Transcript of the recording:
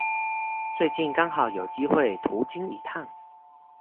最近剛好有機會途經一趟